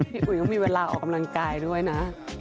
อุ๋ยก็มีเวลาออกกำลังกายด้วยนะ